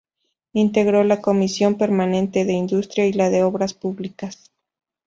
Integró la Comisión permanente de Industria y la de Obras Públicas.